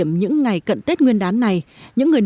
mừng ngày tết trên khắp quê tôi